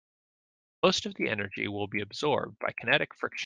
Most of the energy will be absorbed by kinetic friction.